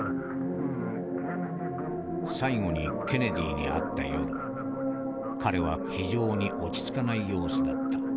「最後にケネディに会った夜彼は非常に落ち着かない様子だった。